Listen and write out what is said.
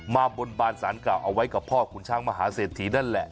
บนบานสารเก่าเอาไว้กับพ่อขุนช้างมหาเศรษฐีนั่นแหละ